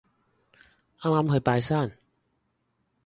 啱啱去拜山